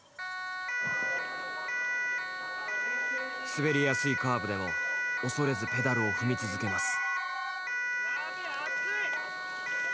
滑りやすいカーブでも恐れずペダルを踏み続けます。